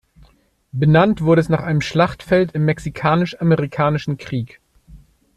Benannt wurde es nach einem Schlachtfeld im Mexikanisch-Amerikanischen Krieg.